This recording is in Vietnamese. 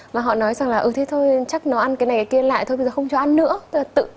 và họ nói rằng là ứ thế thôi chắc nó ăn cái này kia lại thôi bây giờ không cho ăn nữa